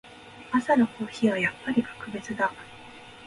朝のコーヒーはやっぱり格別だ。